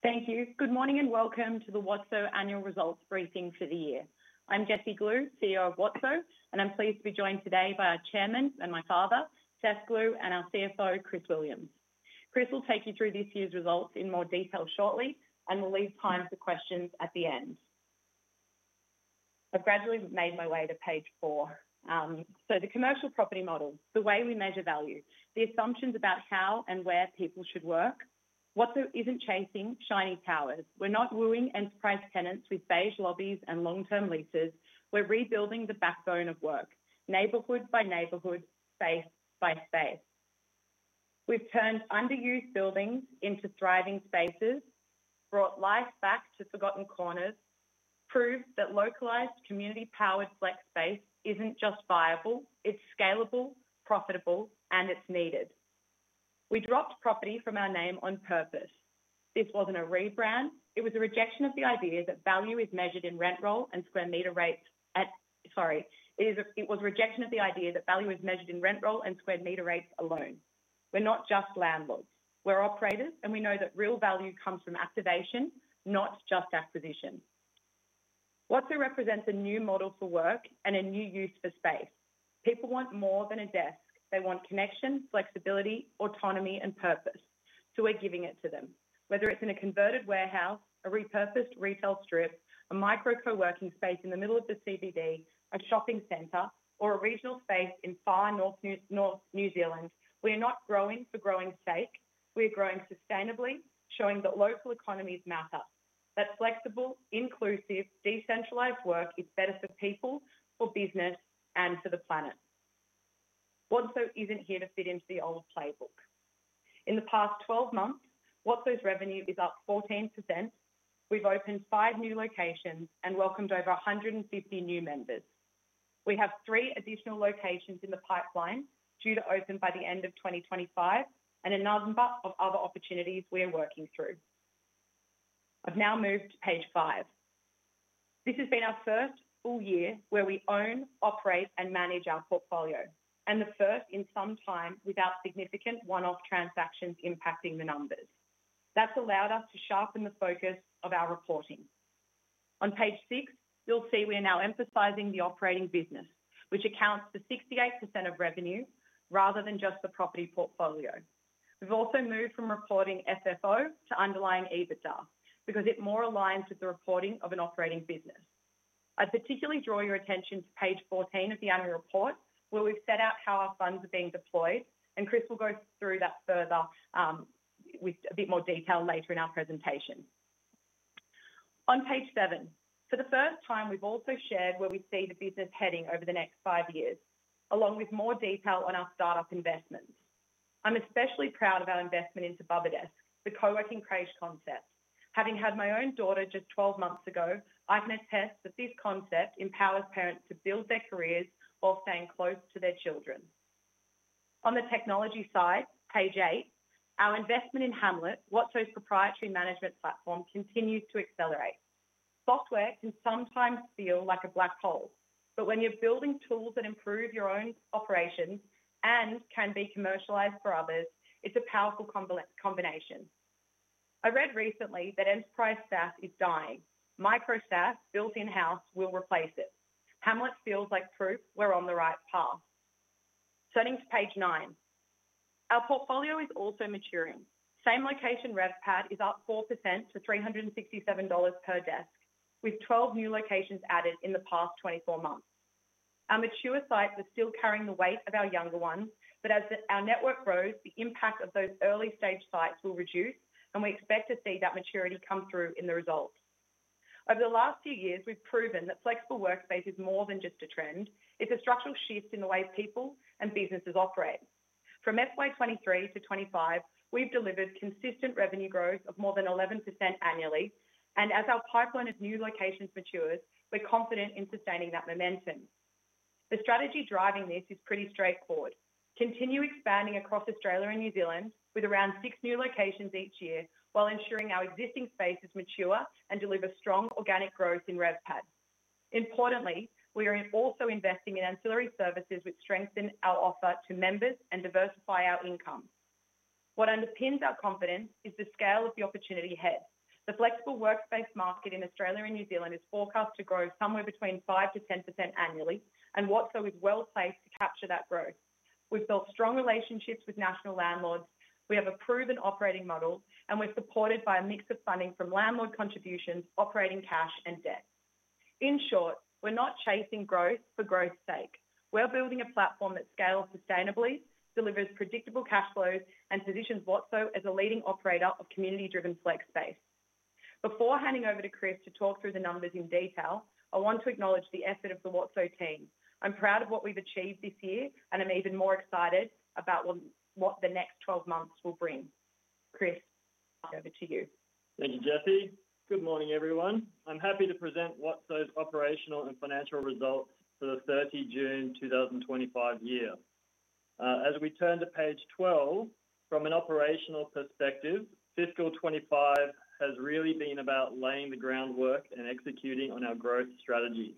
Thank you. Good morning and welcome to the WOTSO Annual Results Briefing for the year. I'm Jessie Glew, CEO of WOTSO, and I'm pleased to be joined today by our Chairman and my father, Seph Glew, and our CFO, Chris Williams. Chris will take you through this year's results in more detail shortly and will leave time for questions at the end. I've gradually made my way to page four. The commercial property model, the way we measure value, the assumptions about how and where people should work, WOTSO isn't chasing shiny towers. We're not wooing enterprise tenants with beige lobbies and long-term leases. We're rebuilding the backbone of work, neighborhood-by-neighborhood, space-by-space. We've turned underused buildings into thriving spaces, brought life back to forgotten corners, proved that localized community-powered flex space isn't just viable, it's scalable, profitable, and it's needed. We dropped property from our name on purpose. This wasn't a rebrand. It was a rejection of the idea that value is measured in rent roll and square meter rates alone. We're not just landlords. We're operators, and we know that real value comes from activation, not just acquisition. WOTSO represents a new model for work and a new use for space. People want more than a desk. They want connection, flexibility, autonomy, and purpose. We're giving it to them. Whether it's in a converted warehouse, a repurposed retail strip, a micro coworking space in the middle of the CBD, a shopping center, or a regional space in far North New Zealand, we are not growing for growing's sake. We are growing sustainably, showing that local economies matter. That flexible, inclusive, decentralized work is better for people, for business, and for the planet. WOTSO isn't here to fit into the old playbook. In the past 12 months, WOTSO's revenue is up 14%. We've opened five new locations and welcomed over 150 new members. We have three additional locations in the pipeline due to open by the end of 2025, and a number of other opportunities we are working through. I've now moved to page five. This has been our first full year where we own, operate, and manage our portfolio, and the first in some time without significant one-off transactions impacting the numbers. That's allowed us to sharpen the focus of our reporting. On page six, you'll see we are now emphasizing the operating business, which accounts for 68% of revenue rather than just the property portfolio. We've also moved from reporting SFO to underlying EBITDA because it more aligns with the reporting of an operating business. I'd particularly draw your attention to page 14 of the annual report, where we've set out how our funds are being deployed, and Chris will go through that further with a bit more detail later in our presentation. On page seven, for the first time, we've also shared where we see the business heading over the next five years, along with more detail on our startup investment. I'm especially proud of our investment into Bubba Desk, the coworking childcare concept. Having had my own daughter just 12 months ago, I've met tests that this concept empowers parents to build their careers while staying close to their children. On the technology side, page eight, our investment in Hamlet, WOTSO's proprietary management platform, continues to accelerate. Software can sometimes feel like a black hole, but when you're building tools that improve your own operations and can be commercialized for others, it's a powerful combination. I read recently that enterprise SaaS is dying. Micro SaaS built in-house will replace it. Hamlet feels like proof we're on the right path. Turning to page nine, our portfolio is also maturing. Same location RevPad is up 4% to $367 per desk, with 12 new locations added in the past 24 months. Our mature sites are still carrying the weight of our younger ones, but as our network grows, the impact of those early stage sites will reduce, and we expect to see that maturity come through in the result. Over the last few years, we've proven that flexible workspace is more than just a trend. It's a structural shift in the ways people and businesses operate. From FY2023-FY2025, we've delivered consistent revenue growth of more than 11% annually, and as our pipeline of new locations matures, we're confident in sustaining that momentum. The strategy driving this is pretty straightforward. Continue expanding across Australia and New Zealand with around six new locations each year, while ensuring our existing spaces mature and deliver strong organic growth in RevPad. Importantly, we are also investing in ancillary services which strengthen our offer to members and diversify our income. What underpins our confidence is the scale of the opportunity ahead. The flexible workspace market in Australia and New Zealand is forecast to grow somewhere between 5%-10% annually, and WOTSO is well placed to capture that growth. We've built strong relationships with national landlords, we have a proven operating model, and we're supported by a mix of funding from landlord contributions, operating cash, and debt. In short, we're not chasing growth for growth's sake. We're building a platform that scales sustainably, delivers predictable cash flows, and positions WOTSO as a leading operator of community-driven flex space. Before handing over to Chris to talk through the numbers in detail, I want to acknowledge the effort of the WOTSO team. I'm proud of what we've achieved this year, and I'm even more excited about what the next 12 months will bring. Chris, over to you. Thank you, Jessie. Good morning, everyone. I'm happy to present WOTSO's operational and financial results for the 30 June 2025 year. As we turn to page 12, from an operational perspective, fiscal 2025 has really been about laying the groundwork and executing on our growth strategy.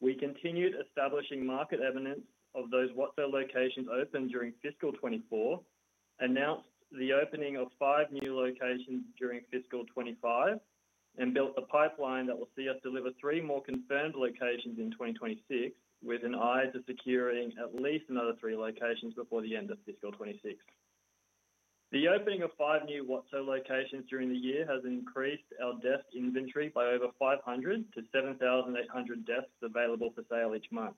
We continued establishing market evidence of those WOTSO locations opened during fiscal 2024, announced the opening of five new locations during fiscal 2025, and built a pipeline that will see us deliver three more confirmed locations in 2026, with an eye to securing at least another three locations before the end of fiscal 2026. The opening of five new WOTSO locations during the year has increased our desk inventory by over 500-7,800 desks available for sale each month.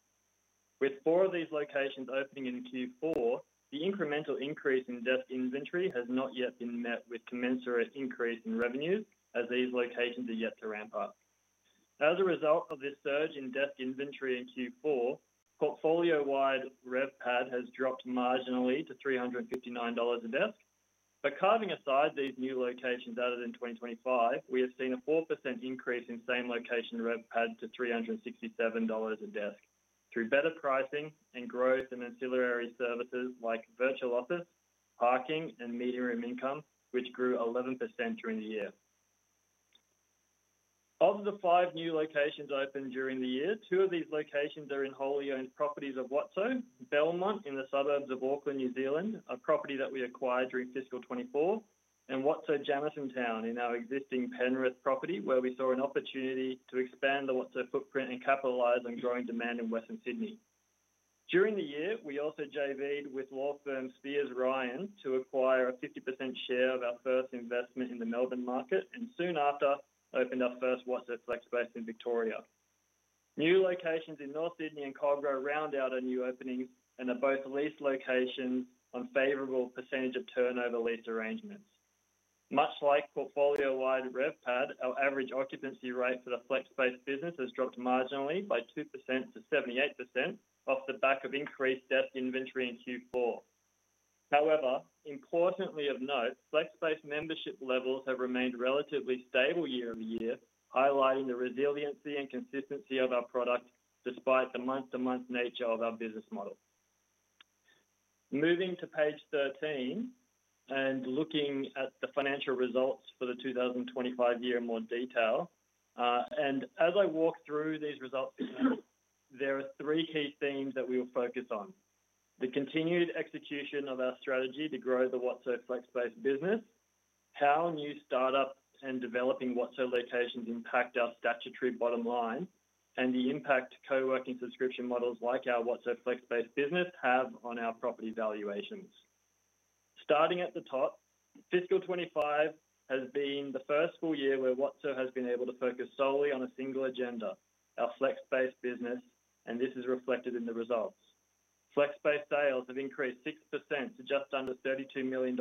With four of these locations opening in Q4, the incremental increase in desk inventory has not yet been met with commensurate increase in revenues, as these locations are yet to ramp up. As a result of this surge in desk inventory in Q4, portfolio-wide RevPad has dropped marginally to $359 a desk. Carving aside these new locations out of 2025, we have seen a 4% increase in same location RevPad to $367 a desk through better pricing and growth in ancillary services like virtual offices, parking, and meeting room income, which grew 11% during the year. Of the five new locations opened during the year, two of these locations are in wholly owned properties of WOTSO, Belmont in the suburbs of Auckland, New Zealand, a property that we acquired during fiscal 2024, and WOTSO Jamison Town in our existing Penrith property, where we saw an opportunity to expand the WOTSO footprint and capitalize on growing demand in Western Sydney. During the year, we also JV'd with law firm Speirs Ryan to acquire a 50% share of our first investment in the Melbourne market, and soon after, opened our first WOTSO flex space in Victoria. New locations in North Sydney and Cogro round out our new openings and are both lease locations on favorable percentage of turnover lease arrangements. Much like portfolio-wide RevPad, our average occupancy rate for the flex space business has dropped marginally by 2%-78% off the back of increased desk inventory in Q4. However, importantly of note, flex space membership levels have remained relatively stable year over year, highlighting the resiliency and consistency of our product despite the month-to-month nature of our business model. Moving to page 13 and looking at the financial results for the 2025 year in more detail, as I walk through these results, there are three key themes that we will focus on – the continued execution of our strategy to grow the WOTSO flex space business, how new startups and developing WOTSO locations impact our statutory bottom line, and the impact coworking subscription models like our WOTSO flex space business have on our property valuations. Starting at the top, fiscal 2025 has been the first full year where WOTSO has been able to focus solely on a single agenda, our flex space business, and this is reflected in the results. Flex space sales have increased 6% to just under $32 million,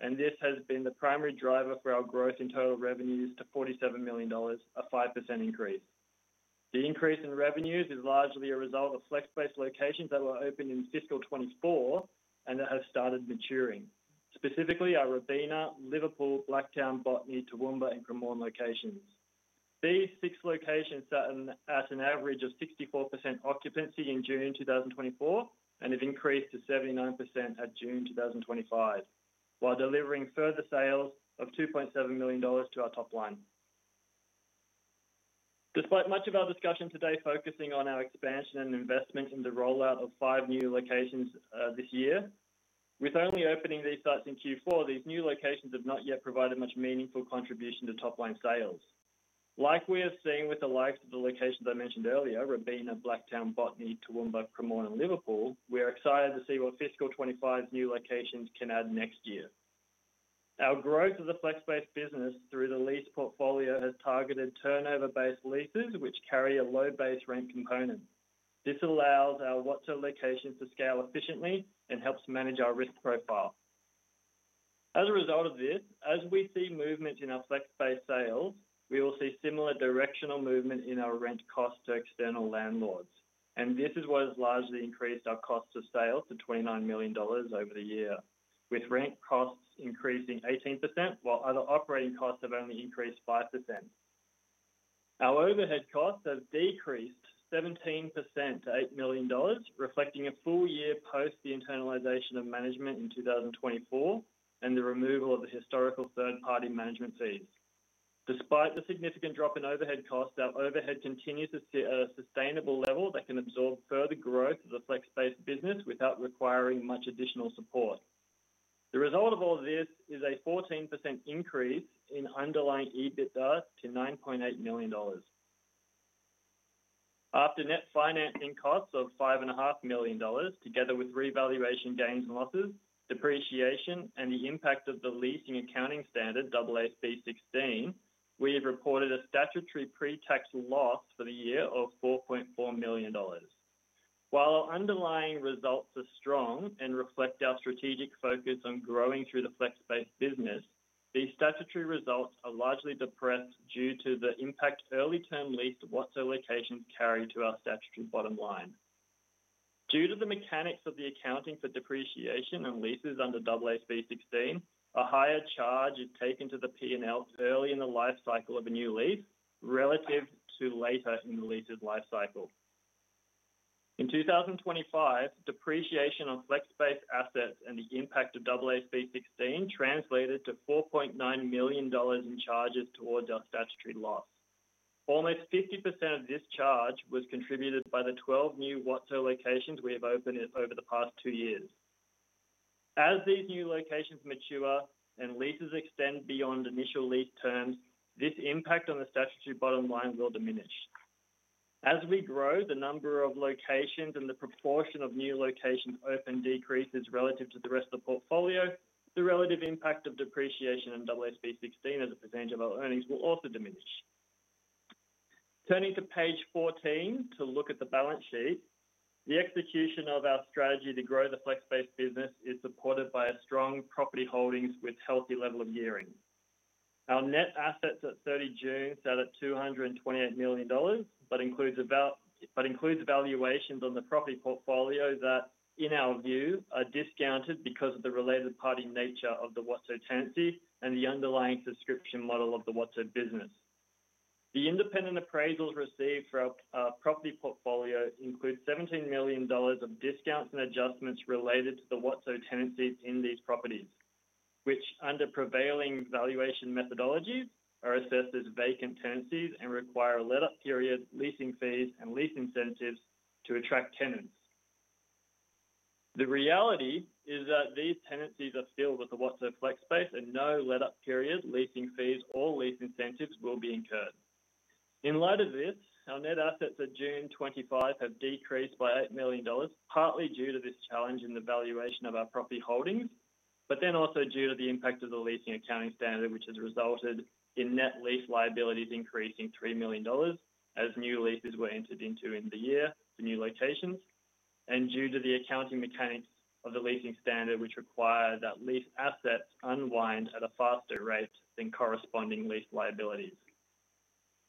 and this has been the primary driver for our growth in total revenues to $47 million, a 5% increase. The increase in revenues is largely a result of flex space locations that were opened in fiscal 2024 and that have started maturing, specifically our Robina, Liverpool, Blacktown, Botany, Toowoomba, and Cremorne locations. These six locations sat at an average of 64% occupancy in June 2024 and have increased to 79% at June 2025, while delivering further sales of $2.7 million to our top line. Despite much of our discussion today focusing on our expansion and investment in the rollout of five new locations this year, with only opening these sites in Q4, these new locations have not yet provided much meaningful contribution to top line sales. Like we have seen with the likes of the locations I mentioned earlier, Robina, Blacktown, Botany, Toowoomba, Cremorne, and Liverpool, we are excited to see what fiscal 2025 new locations can add next year. Our growth of the flex space business through the lease portfolio has targeted turnover-based leases, which carry a low base rent component. This allows our WOTSO location to scale efficiently and helps manage our risk profile. As a result of this, as we see movement in our flex space sales, we will see similar directional movement in our rent costs to external landlords, and this is what has largely increased our cost of sales to $29 million over the year, with rent costs increasing 18%, while other operating costs have only increased 5%. Our overhead costs have decreased 17% to $8 million, reflecting a full year post the internalization of management in 2024 and the removal of the historical third-party management fees. Despite the significant drop in overhead costs, our overhead continues to sit at a sustainable level that can absorb further growth of the flex space business without requiring much additional support. The result of all of this is a 14% increase in underlying EBITDA to $9.8 million. After net financing costs of $5.5 million, together with revaluation gains and losses, depreciation, and the impact of the leasing accounting standard, AASB 16, we've reported a statutory pre-tax loss for the year of $4.4 million. While our underlying results are strong and reflect our strategic focus on growing through the flex space business, these statutory results are largely depressed due to the impact early-term lease WOTSO locations carry to our statutory bottom line. Due to the mechanics of the accounting for depreciation and leases under AASB 16, a higher charge is taken to the P&L early in the life cycle of a new lease relative to later in the lease's life cycle. In 2025, depreciation on flex space assets and the impact of AASB 16 translated to $4.9 million in charges towards our statutory loss. Almost 50% of this charge was contributed by the 12 new WOTSO locations we have opened over the past two years. As these new locations mature and leases extend beyond initial lease terms, this impact on the statutory bottom line will diminish. As we grow, the number of locations and the proportion of new locations open decreases relative to the rest of the portfolio, the relative impact of depreciation and AASB 16 as a percentage of our earnings will also diminish. Turning to page 14 to look at the balance sheet, the execution of our strategy to grow the flex space business is supported by a strong property holdings with a healthy level of year-end. Our net assets at 30 June sat at $228 million, but includes valuations on the property portfolio that, in our view, are discounted because of the related party nature of the WOTSO tenancy and the underlying subscription model of the WOTSO business. The independent appraisals received for our property portfolio include $17 million of discounts and adjustments related to the WOTSO tenancies in these properties, which under prevailing valuation methodologies are assessed as vacant tenancies and require a let-up period, leasing fees, and lease incentives to attract tenants. The reality is that these tenancies are filled with the WOTSO flex space and no let-up period, leasing fees, or lease incentives will be incurred. In light of this, our net assets at June 2025 have decreased by $8 million, partly due to this challenge in the valuation of our property holdings, but then also due to the impact of the leasing accounting standard, which has resulted in net lease liabilities increasing $3 million as new leases were entered into in the year for new locations, and due to the accounting mechanics of the leasing standard, which requires that lease assets unwind at a faster rate than corresponding lease liabilities.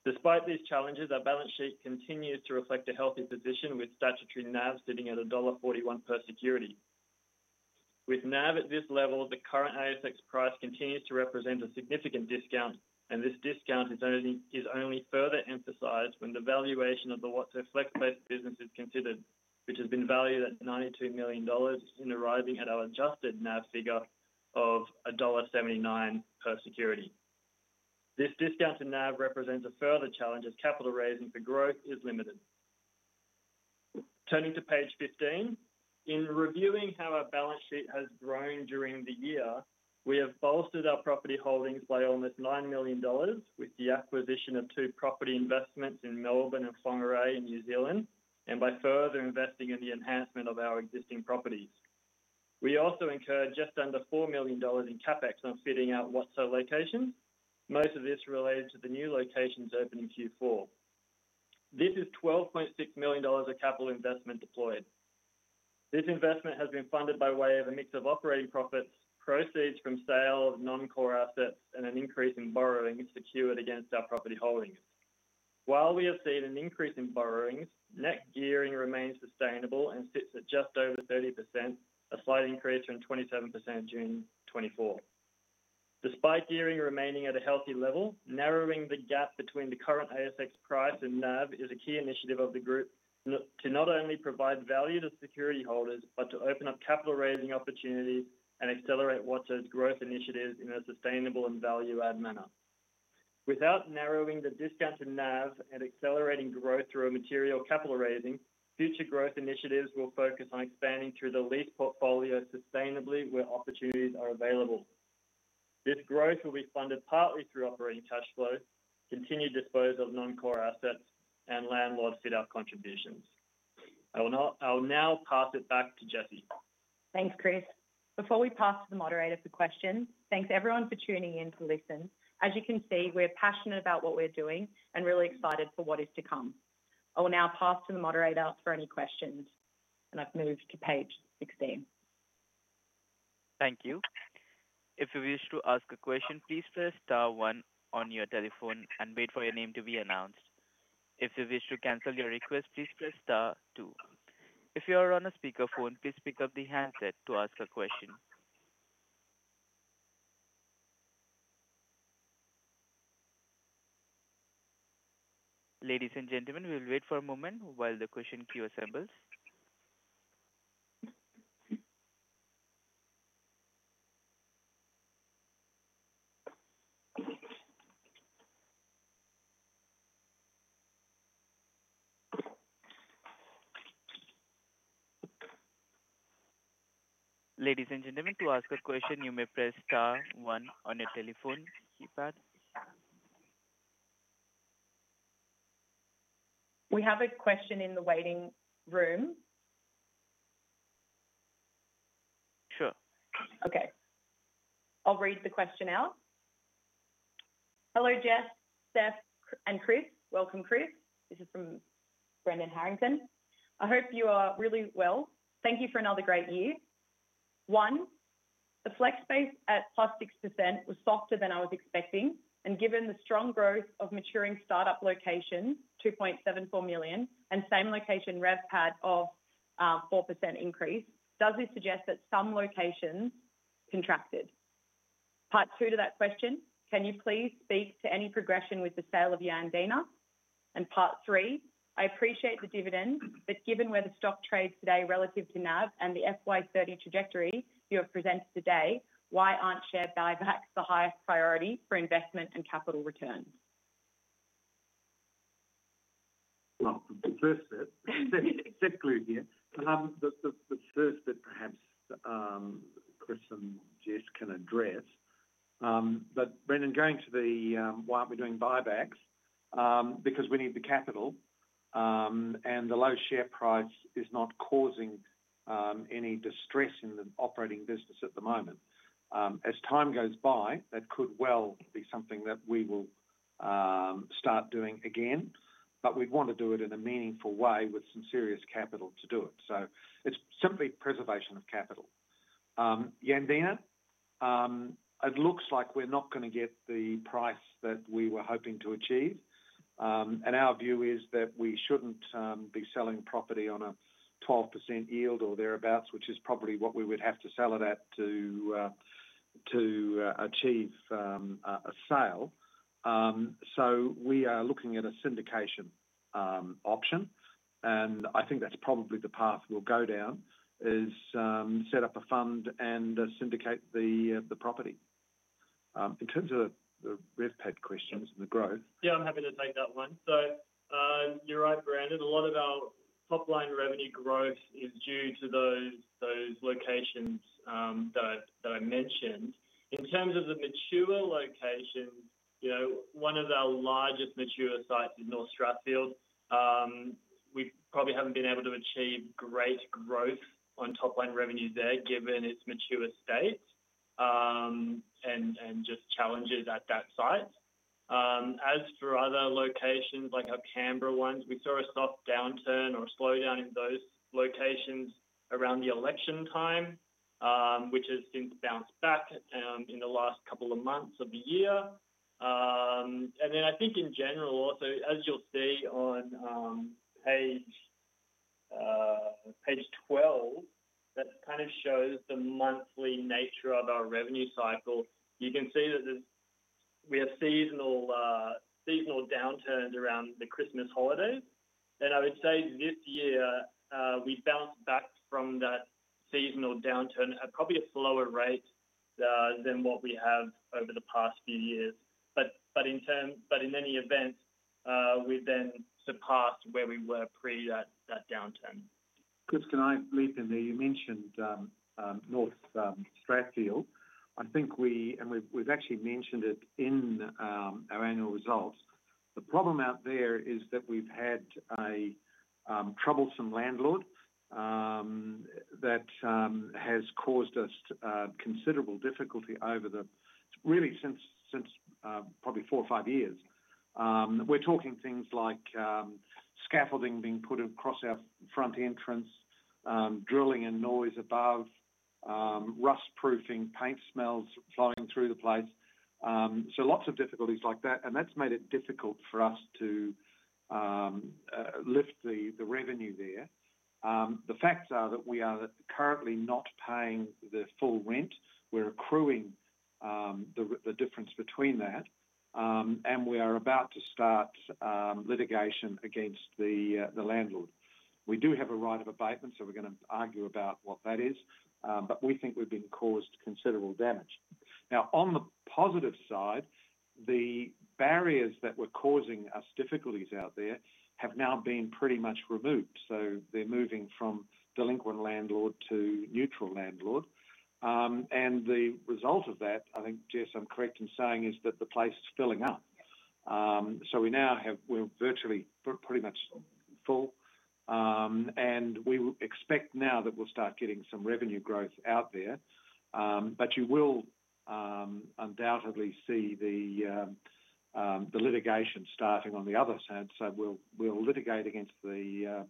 Despite these challenges, our balance sheet continues to reflect a healthy position with statutory NAV sitting at $1.41 per security. With NAV at this level, the current ASX price continues to represent a significant discount, and this discount is only further emphasized when the valuation of the WOTSO flex space business is considered, which has been valued at $92 million in arriving at our adjusted NAV figure of $1.79 per security. This discounted NAV represents a further challenge as capital raising for growth is limited. Turning to page 15, in reviewing how our balance sheet has grown during the year, we have bolstered our property holdings by almost $9 million with the acquisition of two property investments in Melbourne and Whangarei in New Zealand, and by further investing in the enhancement of our existing properties. We also incurred just under $4 million in CapEx on fitting out WOTSO locations. Most of this related to the new locations opening Q4. This is $12.6 million of capital investment deployed. This investment has been funded by way of a mix of operating profits, proceeds from sale of non-core assets, and an increase in borrowings secured against our property holdings. While we have seen an increase in borrowings, net gearing remains sustainable and sits at just over 30%, a slight increase from 27% in June 2024. Despite gearing remaining at a healthy level, narrowing the gap between the current ASX price and NAV is a key initiative of the group to not only provide value to security holders, but to open up capital raising opportunities and accelerate WOTSO's growth initiatives in a sustainable and value-add manner. Without narrowing the discounted NAV and accelerating growth through immaterial capital raising, future growth initiatives will focus on expanding through the lease portfolio sustainably where opportunities are available. This growth will be funded partly through operating cash flow, continued disposal of non-core assets, and landlord sit-out contributions. I will now pass it back to Jessie. Thanks, Chris. Before we pass to the moderator for questions, thanks everyone for tuning in to listen. As you can see, we're passionate about what we're doing and really excited for what is to come. I will now pass to the moderator for any questions, and I've moved to page 16. Thank you. If you wish to ask a question, please press star one on your telephone and wait for your name to be announced. If you wish to cancel your request, please press star two. If you are on a speakerphone, please pick up the handset to ask a question. Ladies and gentlemen, we'll wait for a moment while the question queue assembles. Ladies and gentlemen, to ask a question, you may press star one on your telephone keypad. We have a question in the waiting room. Sure. Okay. I'll read the question out. Hello, Jess, Seph, and Chris. Welcome, Chris. This is from Brendan Harrington. I hope you are really well. Thank you for another great year. One, the flex space at +6% was softer than I was expecting, and given the strong growth of maturing startup locations, $2.74 million, and same location RevPad of a 4% increase, does this suggest that some locations contracted? Part two to that question, can you please speak to any progression with the sale of Yarndina? And part three, I appreciate the dividend, but given where the stock trades today relative to NAV and the FY2030 trajectory you have presented today, why aren't share buybacks the highest priority for investment and capital return? Seph Glew here. The first bit perhaps Chris and Jess can address. Brendan, going to the why aren't we doing buybacks? We need the capital and the low share price is not causing any distress in the operating business at the moment. As time goes by, that could well be something that we will start doing again, but we'd want to do it in a meaningful way with some serious capital to do it. It's simply preservation of capital. Yarndina, it looks like we're not going to get the price that we were hoping to achieve, and our view is that we shouldn't be selling property on a 12% yield or thereabouts, which is probably what we would have to sell it at to achieve a sale. We are looking at a syndication option, and I think that's probably the path we'll go down, is set up a fund and syndicate the property. In terms of the RevPad questions and the growth. Yeah, I'm happy to take that one. You're right, Brendan. A lot of our top line revenue growth is due to those locations that I mentioned. In terms of the mature locations, you know one of our largest mature sites is North Strathfield. We probably haven't been able to achieve great growth on top line revenue there given its mature state and just challenges at that site. As for other locations, like our Canberra ones, we saw a soft downturn or a slowdown in those locations around the election time, which has since bounced back in the last couple of months of the year. I think in general, also, as you'll see on page 12, that kind of shows the monthly nature of our revenue cycle. You can see that we have seasonal downturns around the Christmas holidays. I would say this year, we bounced back from that seasonal downturn at probably a slower rate than what we have over the past few years. In any event, we then surpassed where we were pre that downturn. Chris, can I leap in there? You mentioned North Strathfield. I think we, and we've actually mentioned it in our annual results. The problem out there is that we've had a troublesome landlord that has caused us considerable difficulty over the, really, since probably four or five years. We're talking things like scaffolding being put across our front entrance, drilling and noise above, rust proofing, paint smells flying through the place. Lots of difficulties like that have made it difficult for us to lift the revenue there. The facts are that we are currently not paying the full rent. We're accruing the difference between that, and we are about to start litigation against the landlord. We do have a right of abatement, so we're going to argue about what that is, but we think we've been caused considerable damage. On the positive side, the barriers that were causing us difficulties out there have now been pretty much removed. They're moving from delinquent landlord to neutral landlord. The result of that, I think, Jess, I'm correct in saying, is that the place is filling up. We now have, we're virtually pretty much full, and we expect now that we'll start getting some revenue growth out there. You will undoubtedly see the litigation starting on the other side. We'll litigate against the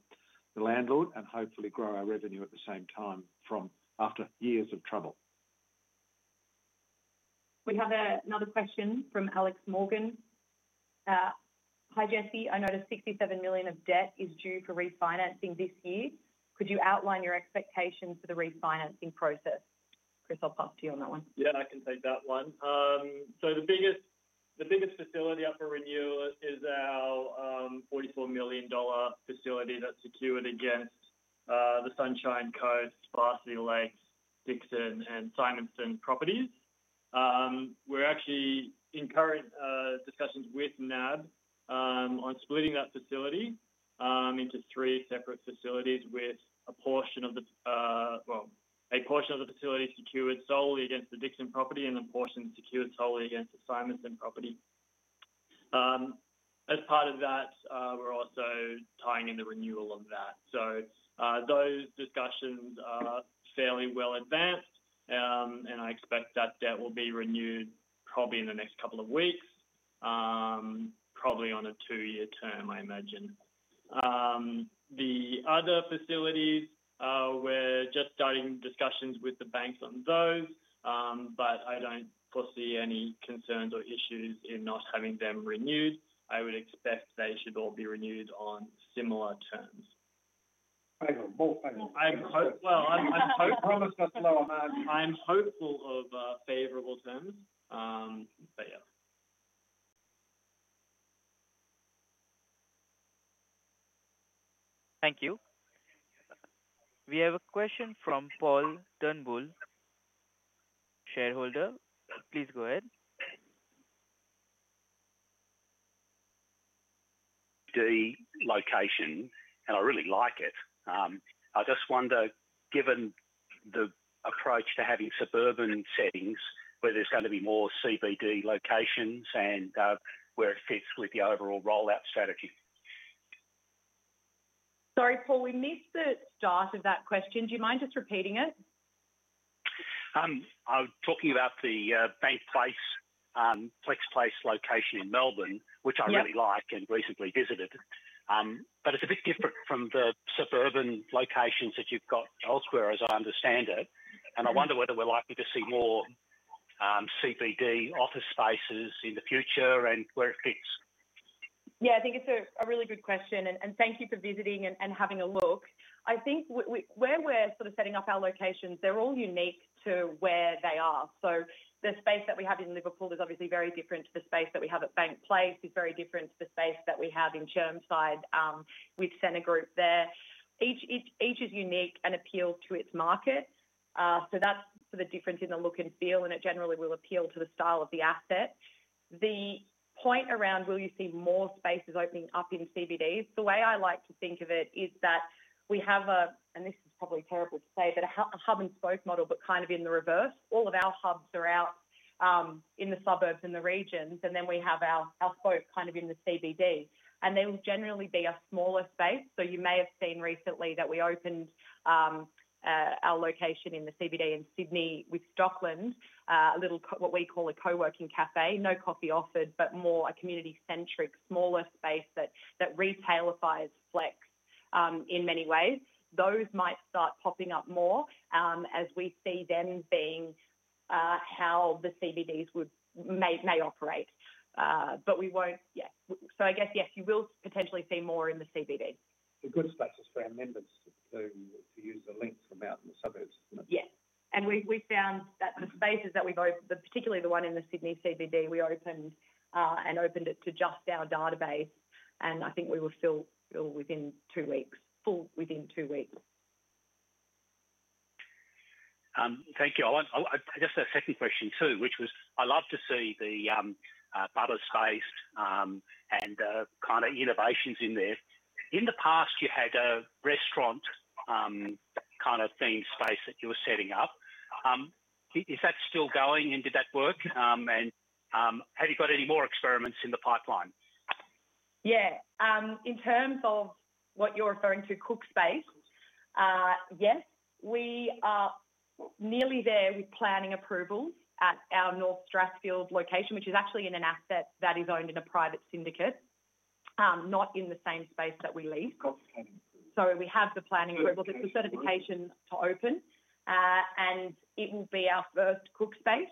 landlord and hopefully grow our revenue at the same time after years of trouble. We have another question from Alex Morgan. Hi Jessie, I noticed $67 million of debt is due for refinancing this year. Could you outline your expectations for the refinancing process? Chris, I'll pass to you on that one. Yeah, I can take that one. The biggest facility up for renewal is our $44 million facility that's secured against the Sunshine Cove, Sparcy Lakes, Dixon, and Simonstone properties. We're actually in current discussions with NAB on splitting that facility into three separate facilities, with a portion of the facility secured solely against the Dixon property and a portion secured solely against the Simonstone property. As part of that, we're also tying in the renewal of that. Those discussions are fairly well advanced, and I expect that debt will be renewed probably in the next couple of weeks, probably on a two-year term, I imagine. The other facilities, we're just starting discussions with the banks on those, but I don't foresee any concerns or issues in not having them renewed. I would expect they should all be renewed on similar terms. I hope, I hope promise us low amounts. I'm hopeful of favorable terms, but yeah. Thank you. We have a question from Paul Turnbull, shareholder. Please go ahead. The location, and I really like it. I just wonder, given the approach to having suburban settings, where there's going to be more CBD locations and where it fits with the overall rollout strategy. Sorry, Paul, we missed the start of that question. Do you mind just repeating it? I was talking about the WOTSO FlexSpace location in Melbourne, which I really like and recently visited. It's a bit different from the suburban locations that you've got elsewhere, as I understand it. I wonder whether we're likely to see more CBD office spaces in the future and where it fits. Yeah, I think it's a really good question. Thank you for visiting and having a look. I think where we're sort of setting up our locations, they're all unique to where they are. The space that we have in Liverpool is obviously very different to the space that we have at Bank Place. It's very different to the space that we have in Chelmside. We've sent a group there. Each is unique and appeals to its market. That's for the difference in the look and feel, and it generally will appeal to the style of the asset. The point around will you see more spaces opening up in CBDs, the way I like to think of it is that we have a, and this is probably terrible to say, but a hub and spoke model, but kind of in the reverse. All of our hubs are out in the suburbs and the regions, and then we have our spoke kind of in the CBD. There will generally be a smaller space. You may have seen recently that we opened our location in the CBD in Sydney with Stockland, a little what we call a coworking cafe. No coffee offered, but more a community-centric, smaller space that retail-ifies flex in many ways. Those might start popping up more as we see them being how the CBDs may operate. You will potentially see more in the CBD. The good spaces for our members to use the links from out in the suburbs. Yes, we found that the spaces that we've opened, particularly the one in the Sydney CBD, we opened it to just our database, and I think we were still full within two weeks. Thank you. I want, I guess, a second question too, which was I love to see the Bubba Desk space and the kind of innovations in there. In the past, you had a restaurant kind of themed space that you were setting up. Is that still going and did that work? Have you got any more experiments in the pipeline? Yeah. In terms of what you're referring to, cook space, yes, we are nearly there with planning approval at our North Strathfield location, which is actually in an asset that is owned in a private syndicate, not in the same space that we lease. We have the planning approval. It's a certification to open, and it will be our first cook space.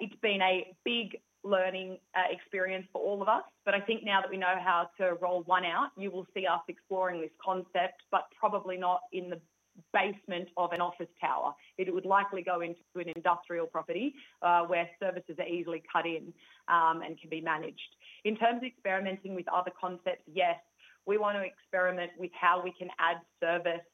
It's been a big learning experience for all of us. I think now that we know how to roll one out, you will see us exploring this concept, but probably not in the basement of an office tower. It would likely go into an industrial property where services are easily cut in and can be managed. In terms of experimenting with other concepts, yes, we want to experiment with how we can add service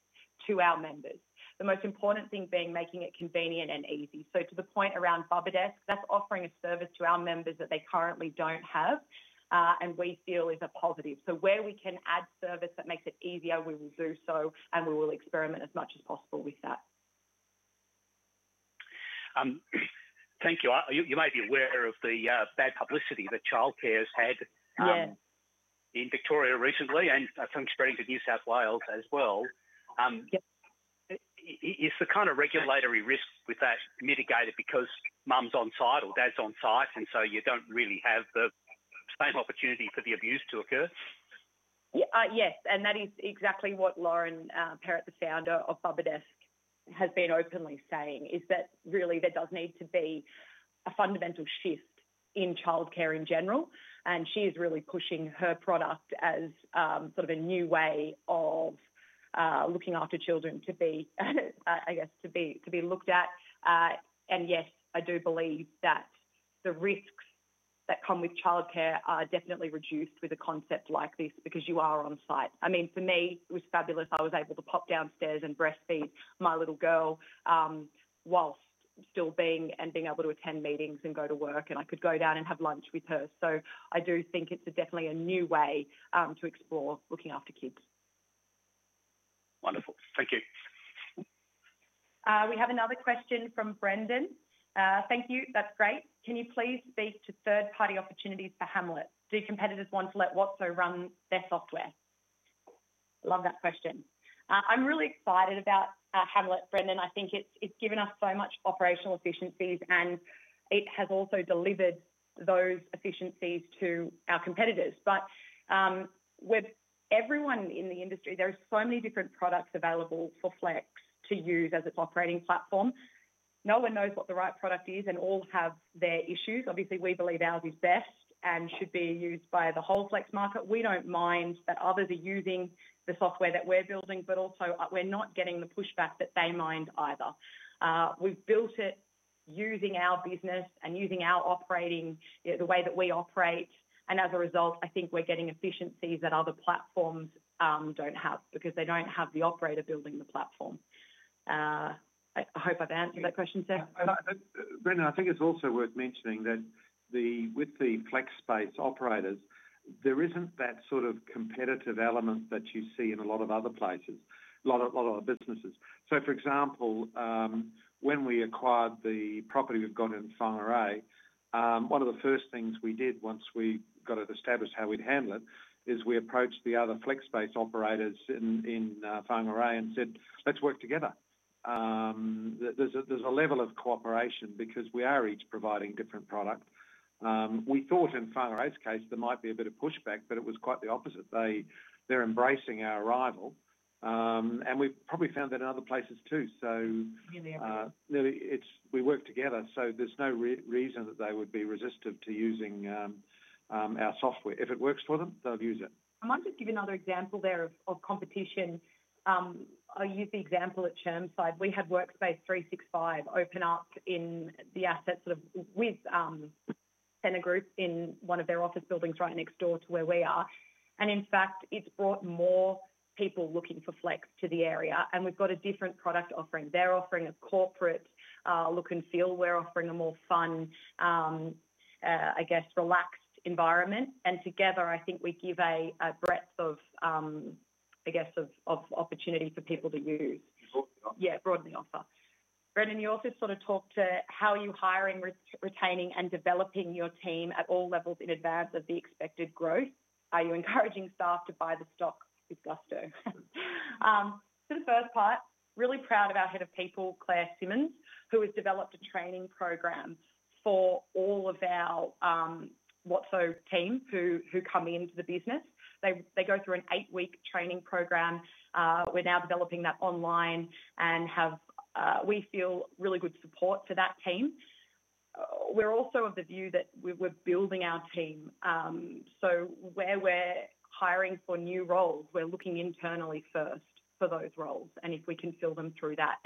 to our members. The most important thing being making it convenient and easy. To the point around Bubba Desk, that's offering a service to our members that they currently don't have, and we feel is a positive. Where we can add service that makes it easier, we will do so, and we will experiment as much as possible with that. Thank you. You may be aware of the bad publicity that childcare has had in Victoria recently, and I think spreading to New South Wales as well. Is the kind of regulatory risk with that mitigated because mum's on site or dad's on site, and so you don't really have the same opportunity for the abuse to occur? Yes, that is exactly what Lauren Perrett, the founder of Bubba Desk, has been openly saying, is that really there does need to be a fundamental shift in childcare in general. She is really pushing her product as sort of a new way of looking after children to be, I guess, to be looked at. I do believe that the risks that come with childcare are definitely reduced with a concept like this because you are on site. For me, it was fabulous. I was able to pop downstairs and breastfeed my little girl whilst still being able to attend meetings and go to work, and I could go down and have lunch with her. I do think it's definitely a new way to explore looking after kids. Wonderful. Thank you. We have another question from Brendan. Thank you. That's great. Can you please speak to third-party opportunities for Hamlet? Do competitors want to let WOTSO run their software? I love that question. I'm really excited about Hamlet, Brendan. I think it's given us so much operational efficiencies, and it has also delivered those efficiencies to our competitors. With everyone in the industry, there are so many different products available for flex to use as its operating platform. No one knows what the right product is, and all have their issues. Obviously, we believe ours is best and should be used by the whole flex market. We don't mind that others are using the software that we're building, and we're not getting the pushback that they mind either. We've built it using our business and using our operating the way that we operate. As a result, I think we're getting efficiencies that other platforms don't have because they don't have the operator building the platform. I hope I've answered that question, Brendan. Brendan, I think it's also worth mentioning that with the flex space operators, there isn't that sort of competitive element that you see in a lot of other places, a lot of other businesses. For example, when we acquired the property we've got in Whangarei, one of the first things we did once we got it established how we'd handle it is we approached the other flex space operators in Whangarei and said, "Let's work together." There's a level of cooperation because we are each providing a different product. We thought in Whangarei's case there might be a bit of pushback, but it was quite the opposite. They're embracing our arrival, and we've probably found that in other places too. We work together, so there's no reason that they would be resistive to using our software. If it works for them, they'll use it. I might just give another example there of competition. I'll use the example at Chermside. We have Workspace 365 open up in the asset sort of with Tenor Group in one of their office buildings right next door to where we are. In fact, it's brought more people looking for flex to the area, and we've got a different product offering. They're offering a corporate look and feel. We're offering a more fun, I guess, relaxed environment. Together, I think we give a breadth of, I guess, of opportunity for people to use. You broaden the offer. Yeah, broaden the offer. Brendan, you also sort of talked to how are you hiring, retaining, and developing your team at all levels in advance of the expected growth? Are you encouraging staff to buy the stock with Gusto? To the first part, really proud of our Head of People, Claire Simmons, who has developed a training program for all of our WOTSO teams who come into the business. They go through an eight-week training program. We're now developing that online and have, we feel, really good support for that team. We're also of the view that we're building our team. Where we're hiring for new roles, we're looking internally first for those roles and if we can fill them through that.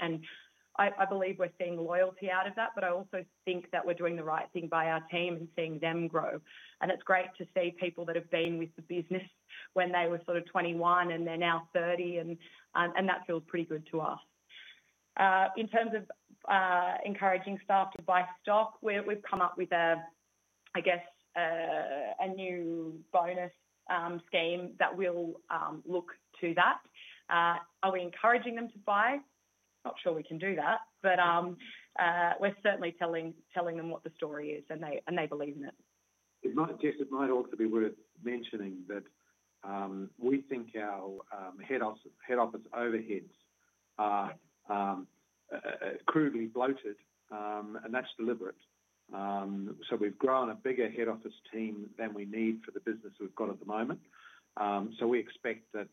I believe we're seeing loyalty out of that, but I also think that we're doing the right thing by our team and seeing them grow. It's great to see people that have been with the business when they were sort of 21 and they're now 30, and that feels pretty good to us. In terms of encouraging staff to buy stock, we've come up with a, I guess, a new bonus scheme that will look to that. Are we encouraging them to buy? Not sure we can do that, but we're certainly telling them what the story is and they believe in it. Jess, it might also be worth mentioning that we think our head office overheads are crudely bloated, and that's deliberate. We've grown a bigger head office team than we need for the business we've got at the moment. We expect that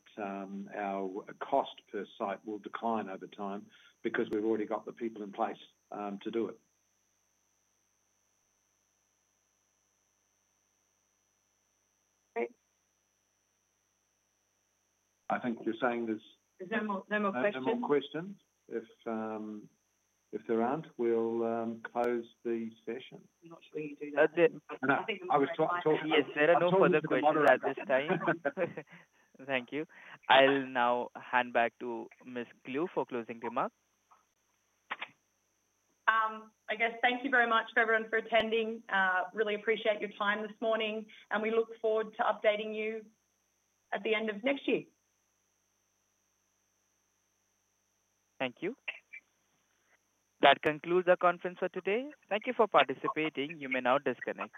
our cost per site will decline over time because we've already got the people in place to do it. Great. I think you're saying there's Are there more questions? No more questions. If there aren't, we'll close the session. I'm not sure you do that. I was talking about. Yes, there are no further questions at this time. Thank you. I'll now hand back to Ms. Glew for closing remarks. Thank you very much, everyone, for attending. Really appreciate your time this morning, and we look forward to updating you at the end of next year. Thank you. That concludes our conference for today. Thank you for participating. You may now disconnect.